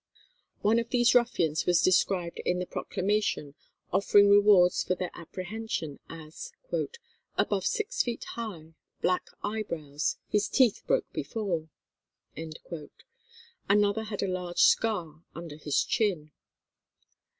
One of these ruffians was described in the proclamation offering rewards for their apprehension as "above six feet high, black eyebrows, his teeth broke before;" another had a large scar under his chin.